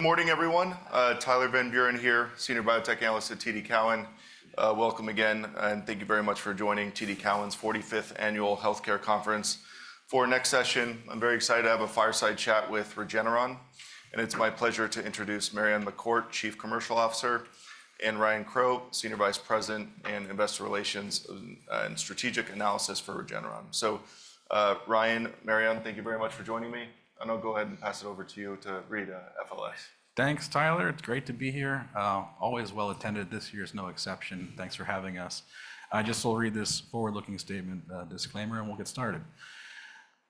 Good morning, everyone. Tyler Van Buren here, Senior Biotech Analyst at TD Cowen. Welcome again, and thank you very much for joining TD Cowen's 45th Annual Healthcare Conference. For our next session, I'm very excited to have a fireside chat with Regeneron, and it's my pleasure to introduce Marion McCourt, Chief Commercial Officer, and Ryan Crowe, Senior Vice President and Investor Relations and Strategic Analysis for Regeneron. So, Ryan, Marion, thank you very much for joining me, and I'll go ahead and pass it over to you to read FLS. Thanks, Tyler. It's great to be here. Always well attended. This year is no exception. Thanks for having us. I just will read this forward-looking statement disclaimer, and we'll get started.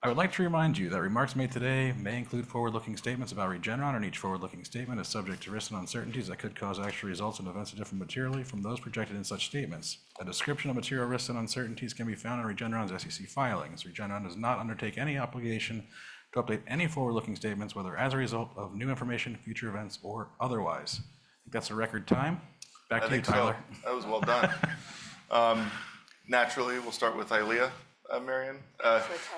I would like to remind you that remarks made today may include forward-looking statements about Regeneron. Each forward-looking statement is subject to risks and uncertainties that could cause actual results and events to differ materially from those projected in such statements. A description of material risks and uncertainties can be found in Regeneron's SEC filings. Regeneron does not undertake any obligation to update any forward-looking statements, whether as a result of new information, future events, or otherwise. That's a record time. Back to you, Tyler. That was well done. Naturally, we'll start with Eylea, Marion.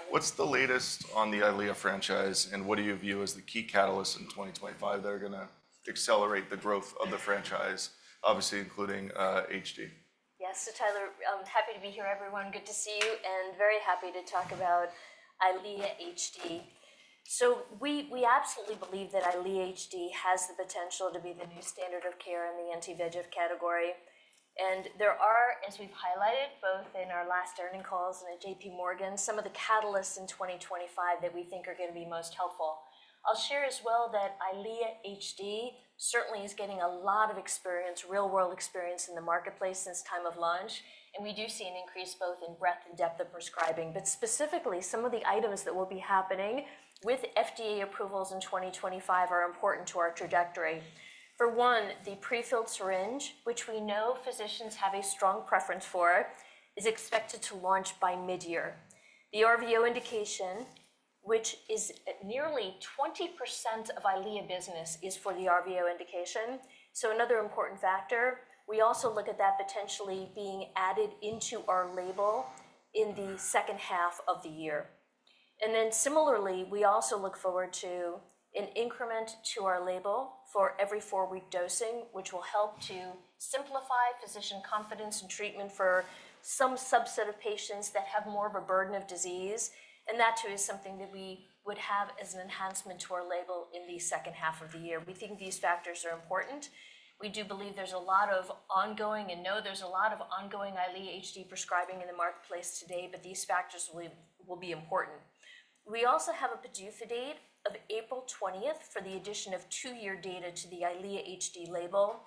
What's the latest on the Eylea franchise, and what do you view as the key catalysts in 2025 that are going to accelerate the growth of the franchise, obviously including HD? Yes, so Tyler, I'm happy to be here, everyone. Good to see you, and very happy to talk about Eylea HD. So we absolutely believe that Eylea HD has the potential to be the new standard of care in the anti-VEGF category. And there are, as we've highlighted both in our last earnings calls and at JPMorgan, some of the catalysts in 2025 that we think are going to be most helpful. I'll share as well that Eylea HD certainly is getting a lot of experience, real-world experience in the marketplace since time of launch. And we do see an increase both in breadth and depth of prescribing. But specifically, some of the items that will be happening with FDA approvals in 2025 are important to our trajectory. For one, the prefilled syringe, which we know physicians have a strong preference for, is expected to launch by mid-year. The RVO indication, which is nearly 20% of Eylea business, is for the RVO indication. So another important factor, we also look at that potentially being added into our label in the second half of the year. And then similarly, we also look forward to an increment to our label for every four-week dosing, which will help to simplify physician confidence in treatment for some subset of patients that have more of a burden of disease. And that, too, is something that we would have as an enhancement to our label in the second half of the year. We think these factors are important. We do believe there's a lot of ongoing, and we know there's a lot of ongoing Eylea HD prescribing in the marketplace today, but these factors will be important. We also have a PDUFA date of April 20 for the addition of two-year data to the Eylea HD label,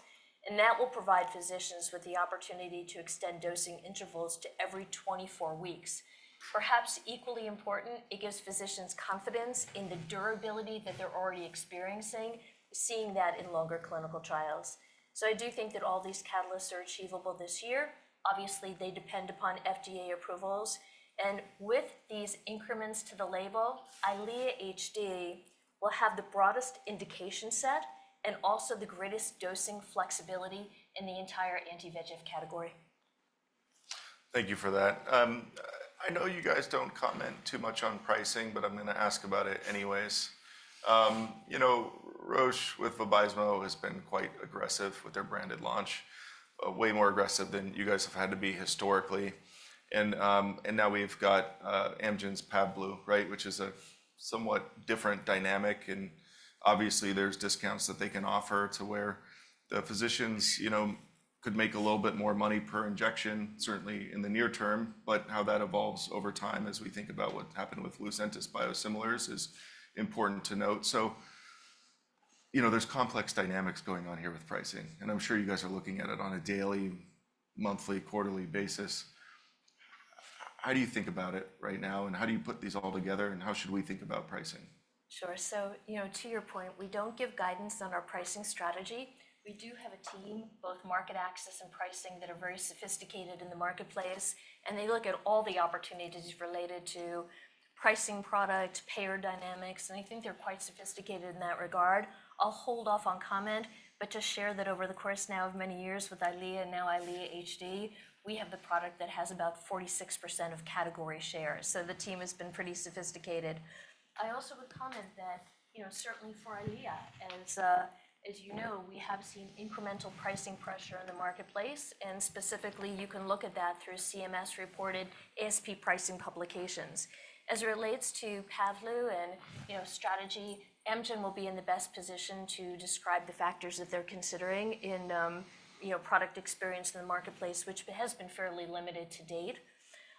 and that will provide physicians with the opportunity to extend dosing intervals to every 24 weeks. Perhaps equally important, it gives physicians confidence in the durability that they're already experiencing, seeing that in longer clinical trials. I do think that all these catalysts are achievable this year. Obviously, they depend upon FDA approvals, and with these increments to the label, Eylea HD will have the broadest indication set and also the greatest dosing flexibility in the entire anti-VEGF category. Thank you for that. I know you guys don't comment too much on pricing, but I'm going to ask about it anyways. You know, Roche with Vabysmo has been quite aggressive with their branded launch, way more aggressive than you guys have had to be historically, and now we've got Amgen's Pavblu, right, which is a somewhat different dynamic. And obviously, there's discounts that they can offer to where the physicians could make a little bit more money per injection, certainly in the near term, but how that evolves over time as we think about what happened with Lucentis biosimilars is important to note, so you know, there's complex dynamics going on here with pricing, and I'm sure you guys are looking at it on a daily, monthly, quarterly basis. How do you think about it right now, and how do you put these all together, and how should we think about pricing? Sure. So, you know, to your point, we don't give guidance on our pricing strategy. We do have a team, both market access and pricing, that are very sophisticated in the marketplace, and they look at all the opportunities related to pricing product, payer dynamics, and I think they're quite sophisticated in that regard. I'll hold off on comment, but just share that over the course now of many years with EYLEA and now EYLEA HD, we have the product that has about 46% of category shares, so the team has been pretty sophisticated. I also would comment that, you know, certainly for EYLEA, as you know, we have seen incremental pricing pressure in the marketplace, and specifically, you can look at that through CMS-reported ASP pricing publications. As it relates to Pavblu and strategy, Amgen will be in the best position to describe the factors that they're considering in product experience in the marketplace, which has been fairly limited to date.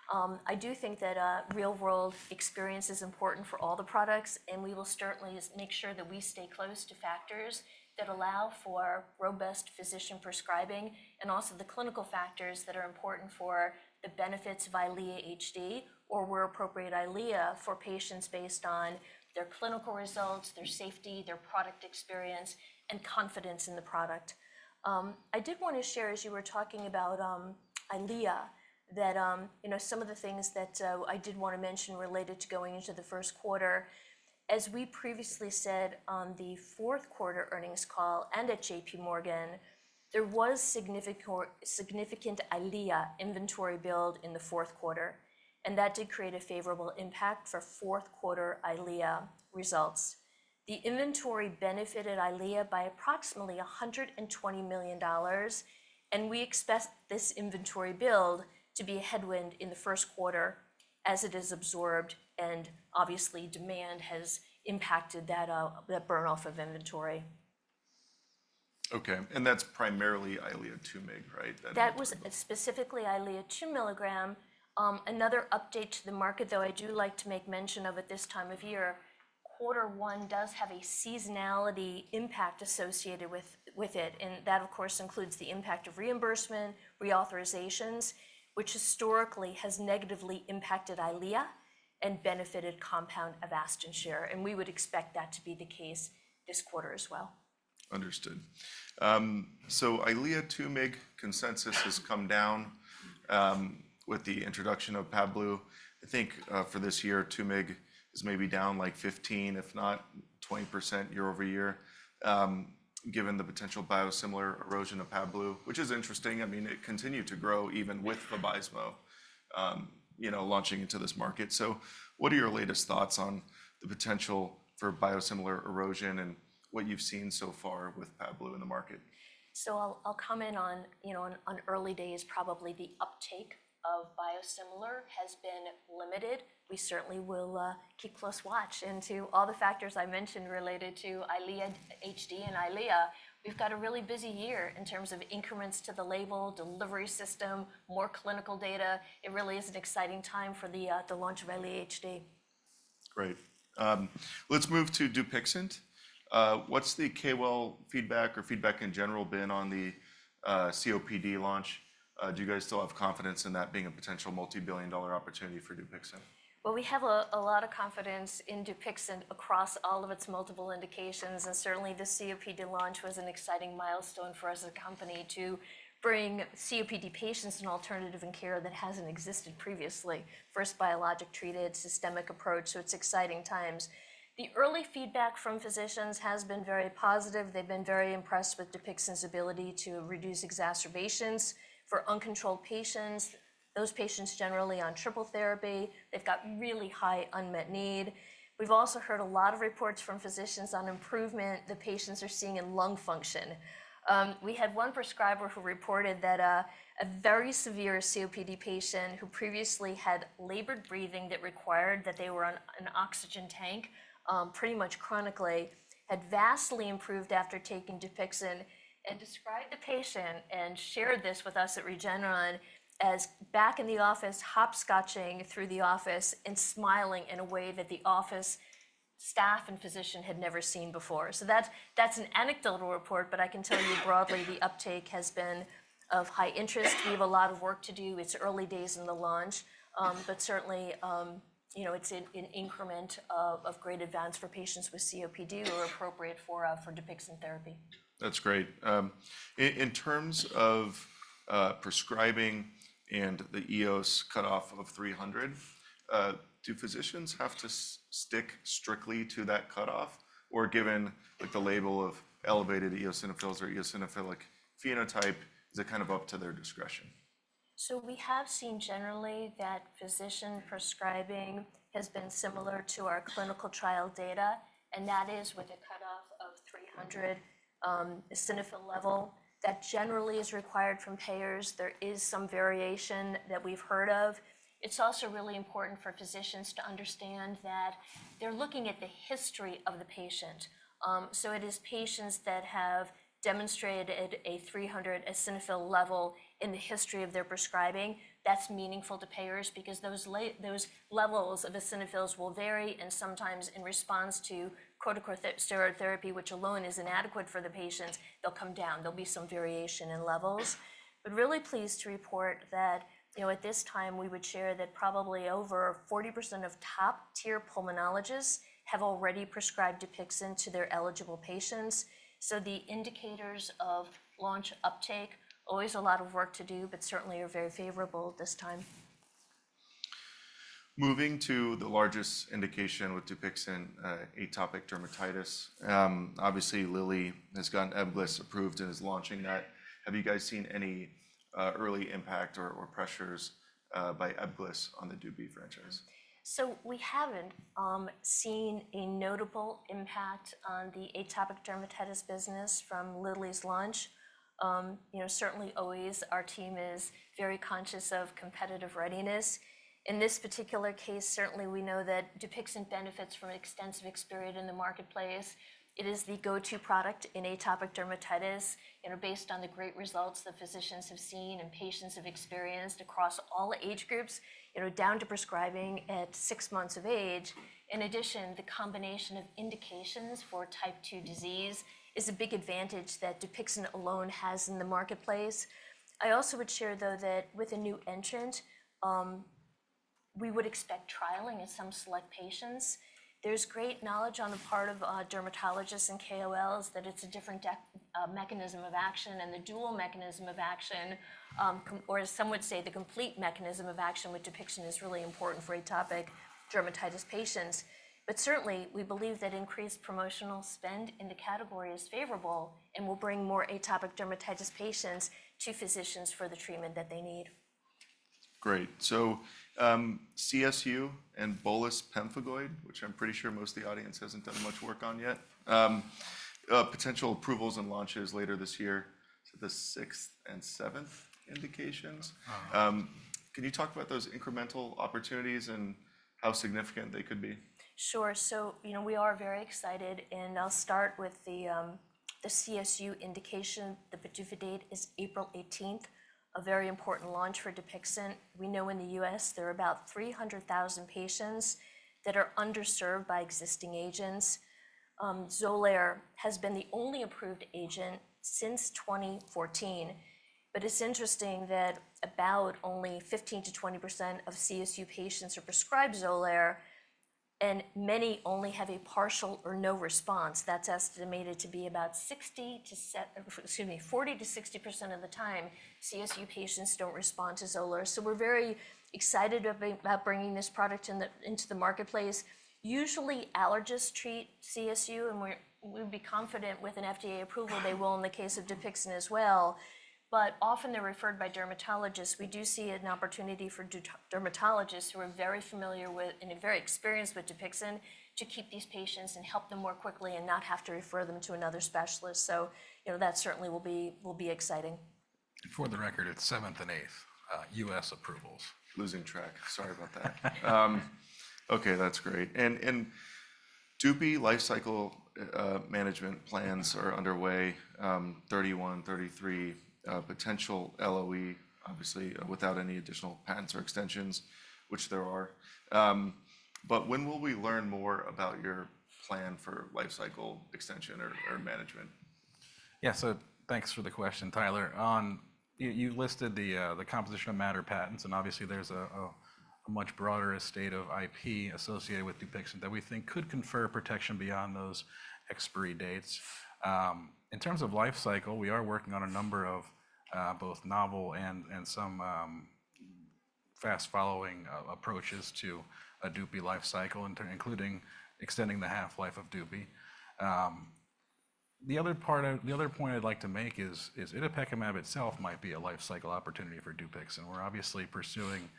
I do think that real-world experience is important for all the products. And we will certainly make sure that we stay close to factors that allow for robust physician prescribing and also the clinical factors that are important for the benefits of Eylea HD or were appropriate Eylea for patients based on their clinical results, their safety, their product experience, and confidence in the product. I did want to share, as you were talking about Eylea, that some of the things that I did want to mention related to going into the first quarter. As we previously said on the fourth quarter earnings call and at JPMorgan, there was significant EYLEA inventory build in the fourth quarter, that did create a favorable impact for fourth quarter EYLEA results. The inventory benefited EYLEA by approximately $120 million, we expect this inventory build to be a headwind in the first quarter as it is absorbed, obviously, demand has impacted that burn-off of inventory. Okay, and that's primarily Eylea 2 mg, right? That was specifically Eylea two milligram. Another update to the market, though I do like to make mention of at this time of year, quarter one does have a seasonality impact associated with it, and that, of course, includes the impact of reimbursement, reauthorizations, which historically has negatively impacted Eylea and benefited compound Avastin share, and we would expect that to be the case this quarter as well. Understood. So Eylea 2 mg consensus has come down with the introduction of Pavblu. I think for this year, 2 mg is maybe down like 15%-20% year over year, given the potential biosimilar erosion of Pavblu, which is interesting. I mean, it continued to grow even with Vabysmo launching into this market. So what are your latest thoughts on the potential for biosimilar erosion and what you've seen so far with Pavblu in the market? So I'll comment on early days, probably the uptake of biosimilar has been limited. We certainly will keep close watch into all the factors I mentioned related to EYLEA HD and EYLEA. We've got a really busy year in terms of increments to the label, delivery system, more clinical data. It really is an exciting time for the launch of EYLEA HD. Great. Let's move to Dupixent. What's the KOL feedback or feedback in general been on the COPD launch? Do you guys still have confidence in that being a potential multi-billion-dollar opportunity for Dupixent? We have a lot of confidence in Dupixent across all of its multiple indications. Certainly, the COPD launch was an exciting milestone for us as a company to bring COPD patients an alternative in care that hasn't existed previously, first biologic-treated systemic approach. It's exciting times. The early feedback from physicians has been very positive. They've been very impressed with Dupixent's ability to reduce exacerbations for uncontrolled patients, those patients generally on triple therapy. They've got really high unmet need. We've also heard a lot of reports from physicians on the improvement the patients are seeing in lung function. We had one prescriber who reported that a very severe COPD patient who previously had labored breathing that required that they were on an oxygen tank pretty much chronically had vastly improved after taking Dupixent and described the patient and shared this with us at Regeneron as back in the office, hopscotching through the office and smiling in a way that the office staff and physician had never seen before. So that's an anecdotal report. But I can tell you broadly, the uptake has been of high interest. We have a lot of work to do. It's early days in the launch. But certainly, it's an increment of great advance for patients with COPD who are appropriate for Dupixent therapy. That's great. In terms of prescribing and the EOS cutoff of 300, do physicians have to stick strictly to that cutoff? Or given the label of elevated eosinophils or eosinophilic phenotype, is it kind of up to their discretion? So we have seen generally that physician prescribing has been similar to our clinical trial data. And that is with a cutoff of 300 eosinophil level that generally is required from payers. There is some variation that we've heard of. It's also really important for physicians to understand that they're looking at the history of the patient. So it is patients that have demonstrated a 300 eosinophil level in the history of their prescribing that's meaningful to payers because those levels of eosinophils will vary. And sometimes in response to corticosteroid therapy, which alone is inadequate for the patients, they'll come down. There'll be some variation in levels. But really pleased to report that at this time, we would share that probably over 40% of top-tier pulmonologists have already prescribed Dupixent to their eligible patients. So, the indicators of launch uptake, always a lot of work to do, but certainly are very favorable this time. Moving to the largest indication with Dupixent, atopic dermatitis. Obviously, Lilly has gotten Ebglyss approved and is launching that. Have you guys seen any early impact or pressures by Ebglyss on the Dupixent franchise? So we haven't seen a notable impact on the atopic dermatitis business from Lilly's launch. Certainly, always our team is very conscious of competitive readiness. In this particular case, certainly we know that DUPIXENT benefits from extensive experience in the marketplace. It is the go-to product in atopic dermatitis. And based on the great results that physicians have seen and patients have experienced across all age groups, down to prescribing at six months of age. In addition, the combination of indications for type 2 disease is a big advantage that DUPIXENT alone has in the marketplace. I also would share, though, that with a new entrant, we would expect trialing in some select patients. There's great knowledge on the part of dermatologists and KOLs that it's a different mechanism of action. The dual mechanism of action, or as some would say, the complete mechanism of action with DUPIXENT is really important for atopic dermatitis patients. Certainly, we believe that increased promotional spend in the category is favorable and will bring more atopic dermatitis patients to physicians for the treatment that they need. Great. So CSU and Bullous pemphigoid, which I'm pretty sure most of the audience hasn't done much work on yet, potential approvals and launches later this year, the sixth and seventh indications. Can you talk about those incremental opportunities and how significant they could be? Sure. We are very excited, and I'll start with the CSU indication. The PDUFA date is April 18, a very important launch for Dupixent. We know in the U.S., there are about 300,000 patients that are underserved by existing agents. Xolair has been the only approved agent since 2014. But it's interesting that about only 15%-20% of CSU patients are prescribed Xolair. And many only have a partial or no response. That's estimated to be about 60%-40%-60% of the time, CSU patients don't respond to Xolair. So we're very excited about bringing this product into the marketplace. Usually, allergists treat CSU. And we would be confident with an FDA approval they will in the case of Dupixent as well. But often, they're referred by dermatologists. We do see an opportunity for dermatologists who are very familiar with and very experienced with DUPIXENT to keep these patients and help them more quickly and not have to refer them to another specialist. So that certainly will be exciting. For the record, it's seventh and eighth, U.S. approvals. Losing track. Sorry about that. Okay, that's great. And Dupi life cycle management plans are underway, 31, 33, potential LOE, obviously, without any additional patents or extensions, which there are. But when will we learn more about your plan for life cycle extension or management? Yeah, so thanks for the question, Tyler. You listed the composition of matter patents. And obviously, there's a much broader estate of IP associated with Dupixent that we think could confer protection beyond those expiry dates. In terms of life cycle, we are working on a number of both novel and some fast-following approaches to a Dupixent life cycle, including extending the half-life of Dupixent. The other point I'd like to make is itepekimab itself might be a life cycle opportunity for Dupixent. We're obviously pursuing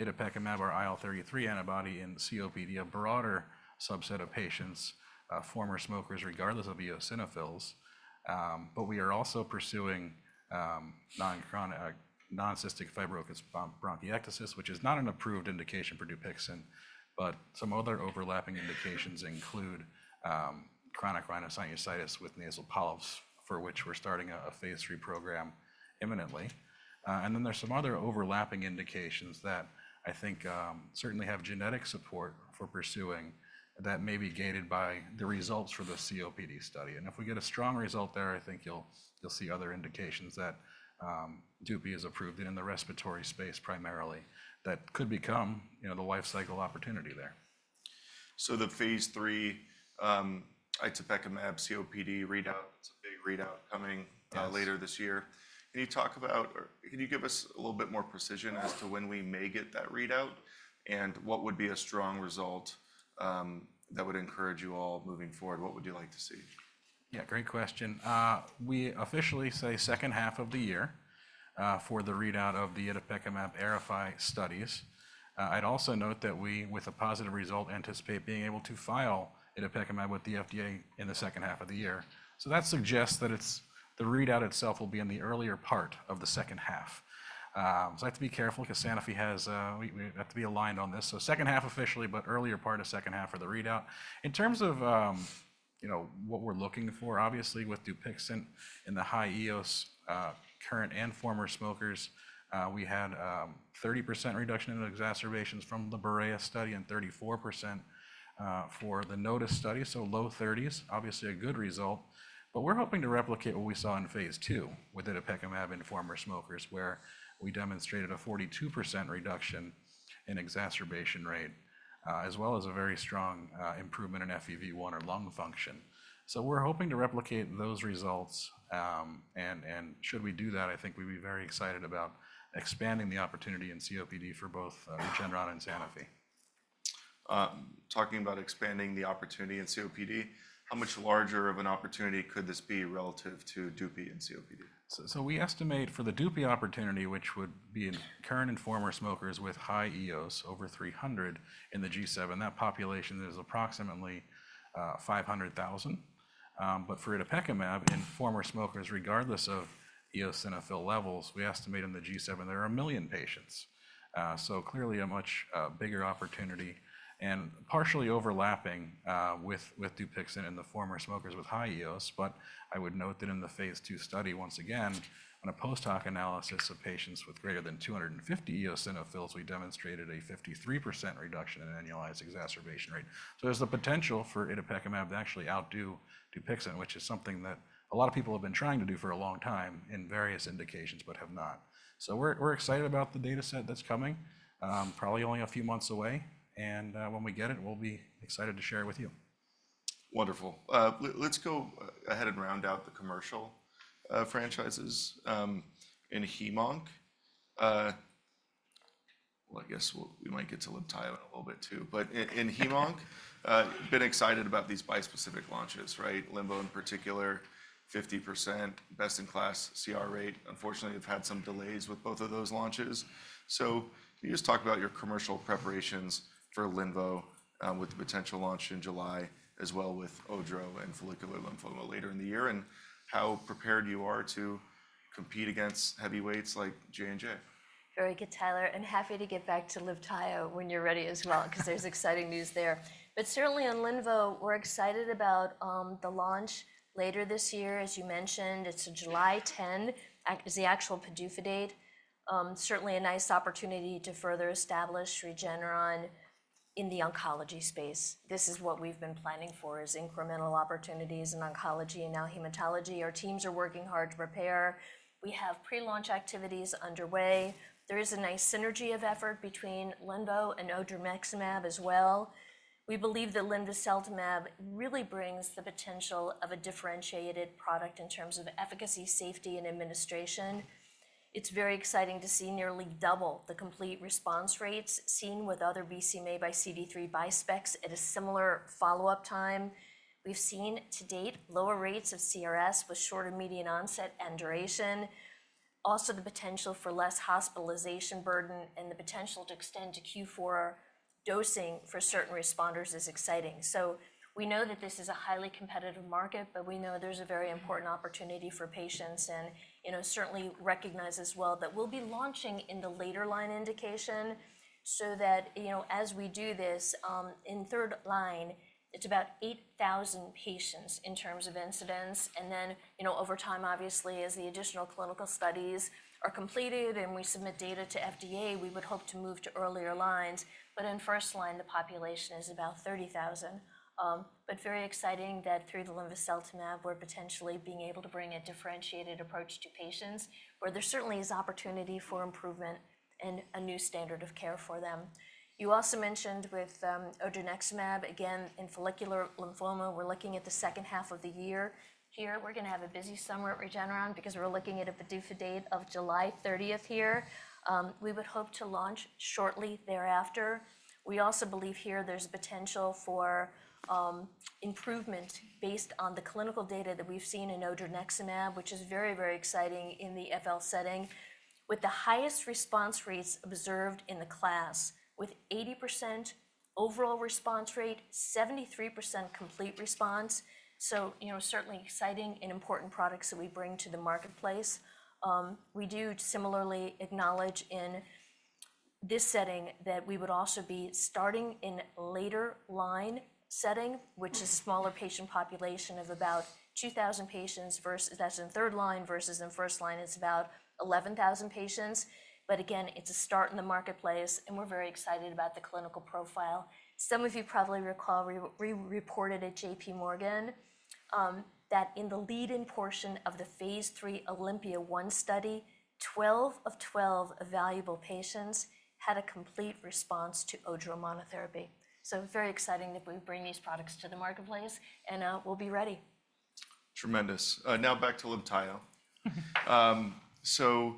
itepekimab or IL-33 antibody in COPD, a broader subset of patients, former smokers, regardless of eosinophils. But we are also pursuing non-cystic fibrosis bronchiectasis, which is not an approved indication for Dupixent. But some other overlapping indications include chronic rhinosinusitis with nasal polyps, for which we're starting a phase 3 program imminently. And then there's some other overlapping indications that I think certainly have genetic support for pursuing that may be gated by the results for the COPD study. And if we get a strong result there, I think you'll see other indications that Dupixent is approved in the respiratory space primarily that could become the life cycle opportunity there. So the phase 3 itepekimab COPD readout, it's a big readout coming later this year. Can you talk about, can you give us a little bit more precision as to when we may get that readout and what would be a strong result that would encourage you all moving forward? What would you like to see? Yeah, great question. We officially say second half of the year for the readout of the itepekimab AERIFY studies. I'd also note that we, with a positive result, anticipate being able to file itepekimab with the FDA in the second half of the year. So that suggests that the readout itself will be in the earlier part of the second half. So I have to be careful because Sanofi, we have to be aligned on this. So second half officially, but earlier part of second half for the readout. In terms of what we're looking for, obviously, with Dupixent in the high EOS, current and former smokers, we had a 30% reduction in exacerbations from the BOREAS study and 34% for the NOTUS study, so low 30s, obviously a good result. But we're hoping to replicate what we saw in phase 2 with itepekimab in former smokers, where we demonstrated a 42% reduction in exacerbation rate, as well as a very strong improvement in FEV1 or lung function. So we're hoping to replicate those results. And should we do that, I think we'd be very excited about expanding the opportunity in COPD for both Regeneron and Sanofi. Talking about expanding the opportunity in COPD, how much larger of an opportunity could this be relative to Dupixent and COPD? We estimate for the Dupixent opportunity, which would be in current and former smokers with high EOS over 300 in the G7, that population is approximately 500,000. But for itepekimab in former smokers, regardless of eosinophil levels, we estimate in the G7 there are a million patients. So clearly a much bigger opportunity and partially overlapping with Dupixent in the former smokers with high EOS. But I would note that in the phase 2 study, once again, on a post-hoc analysis of patients with greater than 250 eosinophils, we demonstrated a 53% reduction in annualized exacerbation rate. So there's the potential for itepekimab to actually outdo Dupixent, which is something that a lot of people have been trying to do for a long time in various indications but have not. So we're excited about the data set that's coming, probably only a few months away. When we get it, we'll be excited to share it with you. Wonderful. Let's go ahead and round out the commercial franchises in HemOnc, well, I guess we might get to linvoseltamab in a little bit too. But in HemOnc, been excited about these bispecific launches, right? Linvoseltamab, in particular, 50% best in class CR rate. Unfortunately, they've had some delays with both of those launches. So can you just talk about your commercial preparations for linvoseltamab with the potential launch in July, as well with odronextamab and follicular lymphoma later in the year, and how prepared you are to compete against heavyweights like J&J? Very good, Tyler. And happy to get back to linvoseltamab when you're ready as well, because there's exciting news there. But certainly on Libtayo, we're excited about the launch later this year. As you mentioned, it's July 10 is the actual PDUFA date. Certainly a nice opportunity to further establish Regeneron in the oncology space. This is what we've been planning for is incremental opportunities in oncology and now hematology. Our teams are working hard to prepare. We have pre-launch activities underway. There is a nice synergy of effort between Libtayo and odronextamab as well. We believe that linvoseltamab really brings the potential of a differentiated product in terms of efficacy, safety, and administration. It's very exciting to see nearly double the complete response rates seen with other BCMA x CD3 bispecifics at a similar follow-up time. We've seen to date lower rates of CRS with shorter median onset and duration. Also, the potential for less hospitalization burden and the potential to extend to Q4 dosing for certain responders is exciting. So we know that this is a highly competitive market, but we know there's a very important opportunity for patients. And certainly recognize as well that we'll be launching in the later line indication so that as we do this in third line, it's about 8,000 patients in terms of incidence. And then over time, obviously, as the additional clinical studies are completed and we submit data to FDA, we would hope to move to earlier lines. But in first line, the population is about 30,000. But very exciting that through the Linvoseltamab, we're potentially being able to bring a differentiated approach to patients where there certainly is opportunity for improvement and a new standard of care for them. You also mentioned with Odronextamab, again, in follicular lymphoma, we're looking at the second half of the year here. We're going to have a busy summer at Regeneron because we're looking at a PDUFA date of July 30 here. We would hope to launch shortly thereafter. We also believe here there's a potential for improvement based on the clinical data that we've seen in Odronextamab, which is very, very exciting in the FL setting, with the highest response rates observed in the class, with 80% overall response rate, 73% complete response. So certainly exciting and important products that we bring to the marketplace. We do similarly acknowledge in this setting that we would also be starting in later line setting, which is a smaller patient population of about 2,000 patients versus that's in third line versus in first line; it's about 11,000 patients, but again, it's a start in the marketplace, and we're very excited about the clinical profile. Some of you probably recall we reported at JP Morgan that in the lead-in portion of the phase 3 OLYMPIA-1 study, 12 of 12 evaluable patients had a complete response to odronextamab monotherapy, so very exciting that we bring these products to the marketplace, and we'll be ready. Tremendous. Now back to Libtayo. So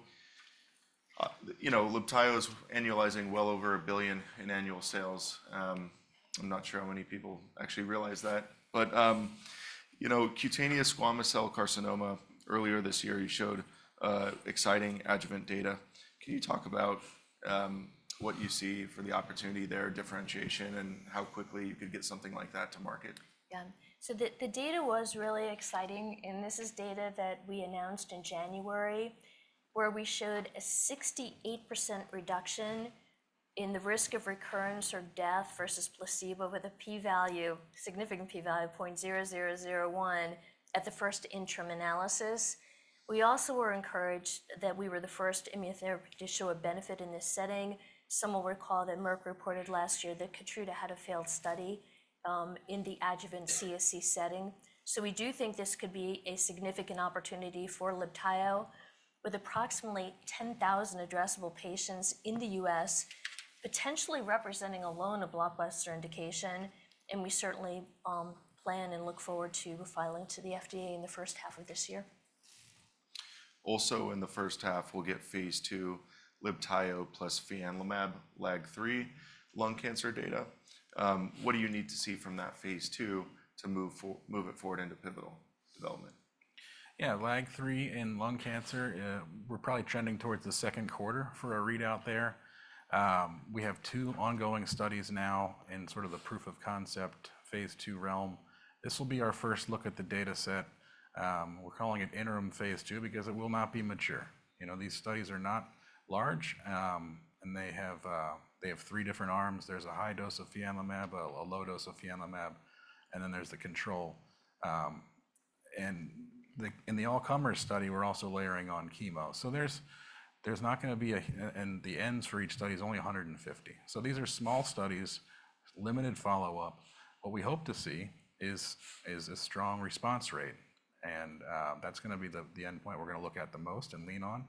Libtayo is annualizing well over $1 billion in annual sales. I'm not sure how many people actually realize that. But cutaneous squamous cell carcinoma, earlier this year, you showed exciting adjuvant data. Can you talk about what you see for the opportunity there, differentiation, and how quickly you could get something like that to market? Yeah. So the data was really exciting. And this is data that we announced in January, where we showed a 68% reduction in the risk of recurrence or death versus placebo with a p-value, significant p-value, 0.0001 at the first interim analysis. We also were encouraged that we were the first immunotherapy to show a benefit in this setting. Some will recall that Merck reported last year that Keytruda had a failed study in the adjuvant CSCC setting. So we do think this could be a significant opportunity for Libtayo, with approximately 10,000 addressable patients in the U.S., potentially representing alone a blockbuster indication. And we certainly plan and look forward to filing to the FDA in the first half of this year. Also, in the first half, we'll get phase 2 Libtayo plus fianlimab, LAG-3 lung cancer data. What do you need to see from that phase 2 to move it forward into pivotal development? Yeah, LAG-3 in lung cancer, we're probably trending towards the second quarter for a readout there. We have two ongoing studies now in sort of the proof of concept phase 2 realm. This will be our first look at the data set. We're calling it interim phase 2 because it will not be mature. These studies are not large. And they have three different arms. There's a high dose of fianlimab, a low dose of fianlimab, and then there's the control. And in the all-comers study, we're also layering on chemo. So there's not going to be a, and the n's for each study is only 150. So these are small studies, limited follow-up. What we hope to see is a strong response rate. And that's going to be the endpoint we're going to look at the most and lean on.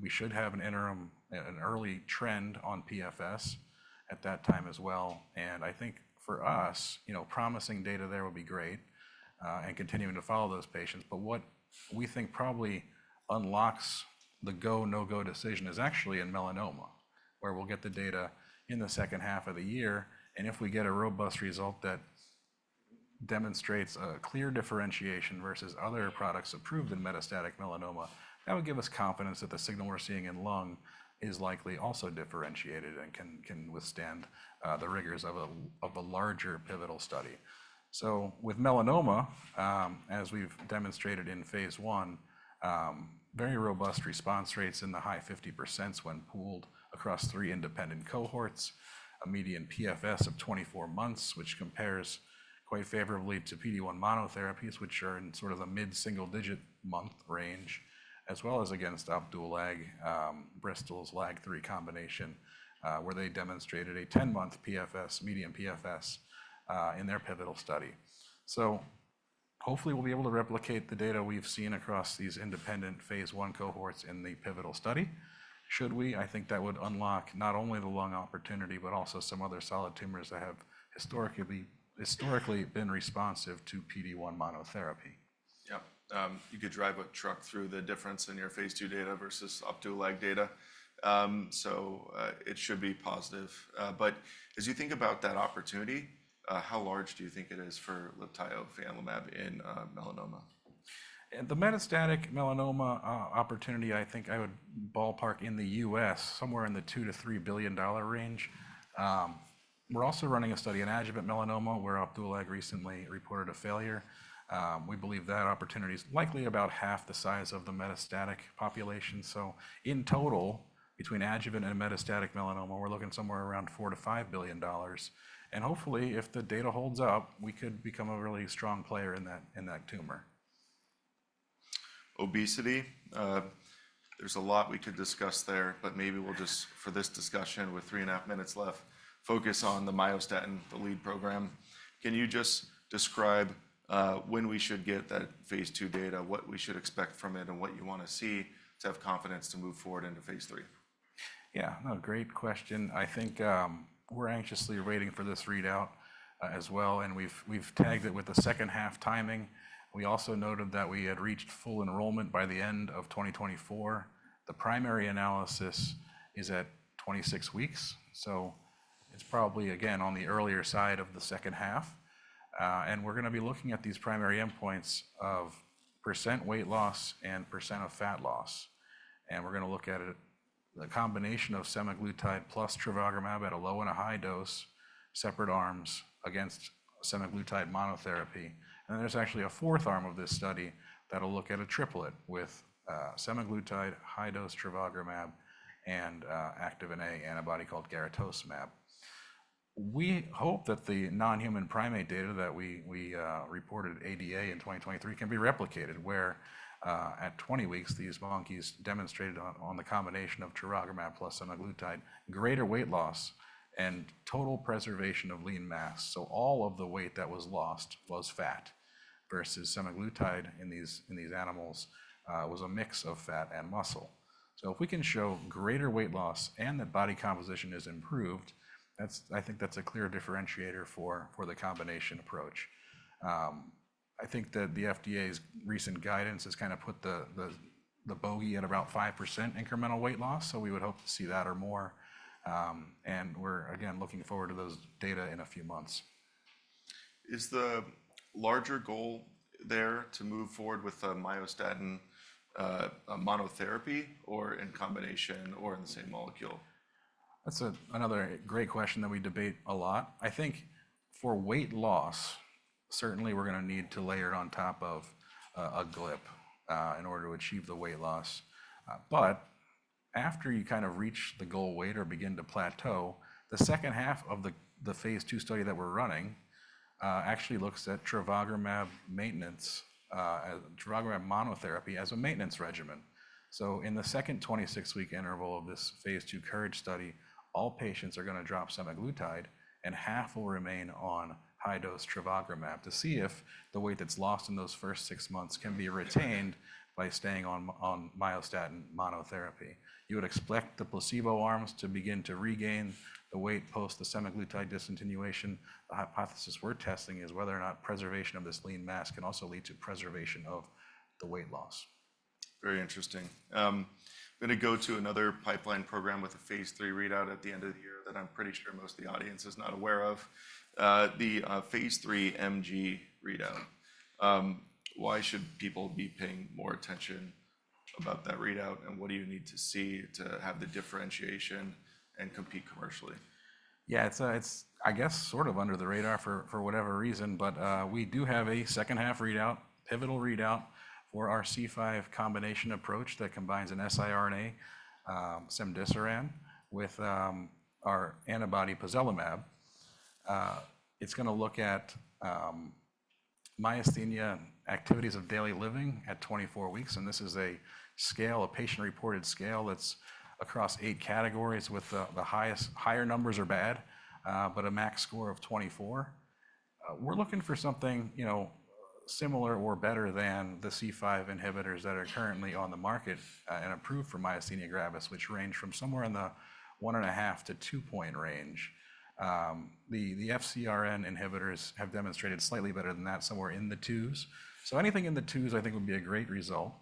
We should have an interim, an early trend on PFS at that time as well. And I think for us, promising data there will be great and continuing to follow those patients. But what we think probably unlocks the go, no-go decision is actually in melanoma, where we'll get the data in the second half of the year. And if we get a robust result that demonstrates a clear differentiation versus other products approved in metastatic melanoma, that would give us confidence that the signal we're seeing in lung is likely also differentiated and can withstand the rigors of a larger pivotal study. With melanoma, as we've demonstrated in phase 1, very robust response rates in the high 50% when pooled across three independent cohorts, a median PFS of 24 months, which compares quite favorably to PD-1 monotherapies, which are in sort of the mid-single-digit month range, as well as against Opdualag, Bristol's LAG-3 combination, where they demonstrated a 10-month PFS, median PFS in their pivotal study. Hopefully we'll be able to replicate the data we've seen across these independent phase 1 cohorts in the pivotal study. Should we, I think that would unlock not only the lung opportunity, but also some other solid tumors that have historically been responsive to PD-1 monotherapy. Yeah, you could drive a truck through the difference in your phase 2 data versus Opdualag data. So it should be positive. But as you think about that opportunity, how large do you think it is for Libtayo, fianlimab in melanoma? The metastatic melanoma opportunity, I think I would ballpark in the U.S., somewhere in the $2-$3 billion range. We're also running a study in adjuvant melanoma where Opdualag recently reported a failure. We believe that opportunity is likely about half the size of the metastatic population. In total, between adjuvant and metastatic melanoma, we're looking somewhere around $4-$5 billion. Hopefully, if the data holds up, we could become a really strong player in that tumor. Obesity, there's a lot we could discuss there, but maybe we'll just, for this discussion, with three and a half minutes left, focus on the myostatin, the lead program. Can you just describe when we should get that phase two data, what we should expect from it, and what you want to see to have confidence to move forward into phase three? Yeah, a great question. I think we're anxiously waiting for this readout as well. And we've tagged it with the second half timing. We also noted that we had reached full enrollment by the end of 2024. The primary analysis is at 26 weeks. So it's probably, again, on the earlier side of the second half. And we're going to be looking at these primary endpoints of weight loss % and fat loss %. And we're going to look at a combination of semaglutide plus trevogrumab at a low and a high dose, separate arms against semaglutide monotherapy. And then there's actually a fourth arm of this study that will look at a triplet with semaglutide, high dose trevogrumab, and Activin A antibody called garetosmab. We hope that the non-human primate data that we reported ADA in 2023 can be replicated, where at 20 weeks, these monkeys demonstrated on the combination of trevogrumab plus Semaglutide, greater weight loss and total preservation of lean mass, so all of the weight that was lost was fat versus Semaglutide in these animals was a mix of fat and muscle, so if we can show greater weight loss and that body composition is improved, I think that's a clear differentiator for the combination approach. I think that the FDA's recent guidance has kind of put the bogey at about 5% incremental weight loss, so we would hope to see that or more, and we're, again, looking forward to those data in a few months. Is the larger goal there to move forward with the Myostatin monotherapy or in combination or in the same molecule? That's another great question that we debate a lot. I think for weight loss, certainly we're going to need to layer it on top of a GLP-1 in order to achieve the weight loss. But after you kind of reach the goal weight or begin to plateau, the second half of the phase two study that we're running actually looks at trevogrumab maintenance, trevogrumab monotherapy as a maintenance regimen. So in the second 26-week interval of this phase two CARE study, all patients are going to drop semaglutide and half will remain on high-dose trevogrumab to see if the weight that's lost in those first six months can be retained by staying on myostatin monotherapy. You would expect the placebo arms to begin to regain the weight post the semaglutide discontinuation. The hypothesis we're testing is whether or not preservation of this lean mass can also lead to preservation of the weight loss. Very interesting. I'm going to go to another pipeline program with a phase 3 readout at the end of the year that I'm pretty sure most of the audience is not aware of, the phase 3 MG readout. Why should people be paying more attention about that readout? And what do you need to see to have the differentiation and compete commercially? Yeah, it's, I guess, sort of under the radar for whatever reason. But we do have a second half readout, pivotal readout for our C5 combination approach that combines an siRNA cemdisiran with our antibody pozelimab. It's going to look at myasthenia and activities of daily living at 24 weeks. And this is a scale, a patient reported scale that's across eight categories with the higher numbers are bad, but a max score of 24. We're looking for something similar or better than the C5 inhibitors that are currently on the market and approved for myasthenia gravis, which range from somewhere in the one and a half to two point range. The FcRn inhibitors have demonstrated slightly better than that, somewhere in the twos. So anything in the twos, I think, would be a great result.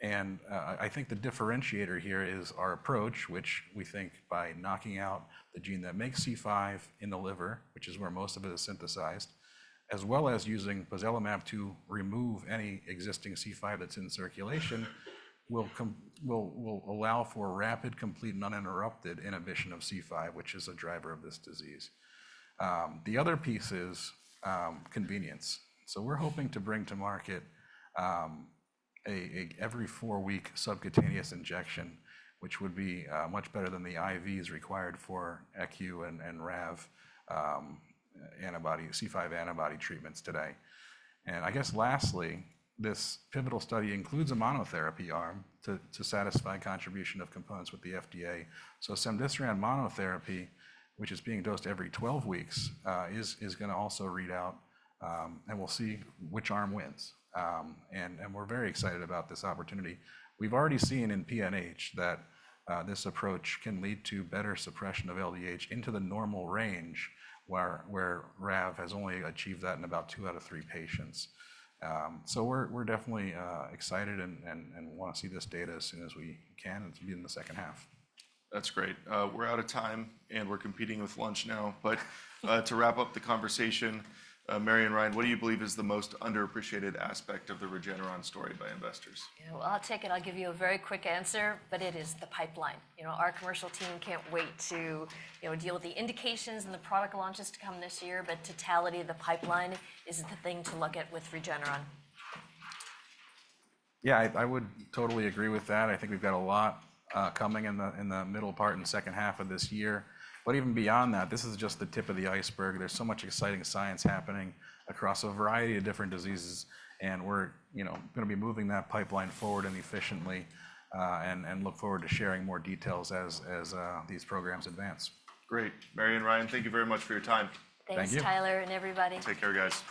And I think the differentiator here is our approach, which we think by knocking out the gene that makes C5 in the liver, which is where most of it is synthesized, as well as using pozelimab to remove any existing C5 that's in circulation, will allow for rapid, complete, non-interrupted inhibition of C5, which is a driver of this disease. The other piece is convenience. So we're hoping to bring to market an every four-week subcutaneous injection, which would be much better than the IVs required for Ecu and Rav antibody, C5 antibody treatments today. And I guess lastly, this pivotal study includes a monotherapy arm to satisfy contribution of components with the FDA. So cemdisiran monotherapy, which is being dosed every 12 weeks, is going to also read out. And we'll see which arm wins. And we're very excited about this opportunity. We've already seen in PNH that this approach can lead to better suppression of LDH into the normal range, where Ravulizumab has only achieved that in about two out of three patients. So we're definitely excited and want to see this data as soon as we can and be in the second half. That's great. We're out of time. And we're competing with lunch now. But to wrap up the conversation, Marion and Ryan, what do you believe is the most underappreciated aspect of the Regeneron story by investors? Yeah, well, I'll take it. I'll give you a very quick answer, but it is the pipeline. Our commercial team can't wait to deal with the indications and the product launches to come this year. But totality of the pipeline is the thing to look at with Regeneron. Yeah, I would totally agree with that. I think we've got a lot coming in the middle part and second half of this year. But even beyond that, this is just the tip of the iceberg. There's so much exciting science happening across a variety of different diseases. And we're going to be moving that pipeline forward and efficiently and look forward to sharing more details as these programs advance. Great. Marion and Ryan, thank you very much for your time. Thank you, Tyler and everybody. Take care, guys.